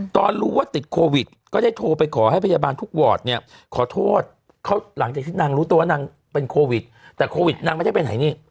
ตอนรู้ว่าติดโควิดก็ได้โทรไปขอให้พยาบาลทุกวอร์ดเนี่ยขอโทษเขาหลังจากที่นางรู้ตัวว่านางเป็นโควิดแต่โควิดนางไม่ได้ไปไหนนี่